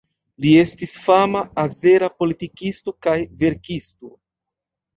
Li estis fama azera politikisto kaj verkisto.